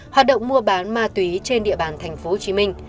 hoạt động mua bán ma túy trên địa bàn tp hcm